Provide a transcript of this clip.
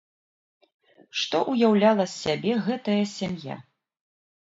Што ўяўляла з сябе гэтая сям'я?